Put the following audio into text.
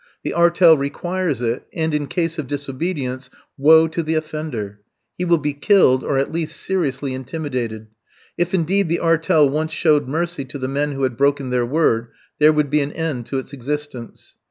The "artel" requires it, and, in case of disobedience, woe to the offender! He will be killed, or at least seriously intimidated. If indeed the "artel" once showed mercy to the men who had broken their word, there would be an end to its existence.